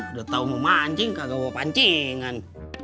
udah tau mau mancing kagak bawa pancingan